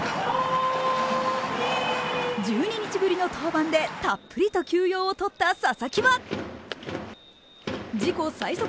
１２日ぶりの登板でたっぷりと休養を取った佐々木は、自己最速